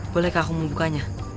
bolehkah aku membukanya